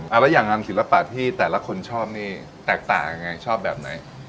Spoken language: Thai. แล้วอย่างงานศิลปะที่แต่ละคนชอบนี่แตกต่างยังไงชอบแบบไหน